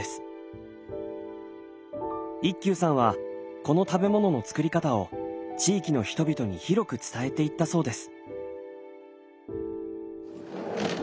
一休さんはこの食べ物の造り方を地域の人々に広く伝えていったそうです。